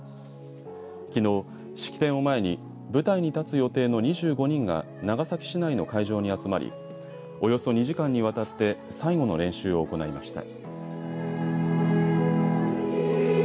きのう、式典を前に舞台に立つ予定の２５人が長崎市内の会場に集まりおよそ２時間にわたって最後の練習を行いました。